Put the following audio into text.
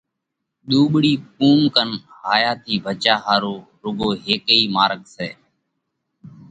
ۮُوٻۯِي قُوم ڪنَ ھايا ٿِي ڀچيا ۿارُو روڳو ھيڪئھ مارڳ سئہ